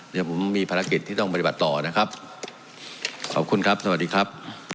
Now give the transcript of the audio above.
เดี๋ยวผมมีภารกิจที่ต้องปฏิบัติต่อนะครับขอบคุณครับสวัสดีครับ